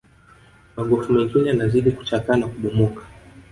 magofu mengine yanazidi kuchakaa na kubomoka